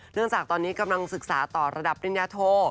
เนื่องจากตอนนี้กำลังศึกษาต่อระดับลินยาโท